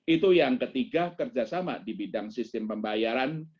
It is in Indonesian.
itu yang ketiga kerjasama di bidang sistem pembayaran